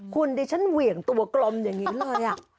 คุณดิฉันเหวี่ยงตัวกลมอย่างนี้เลย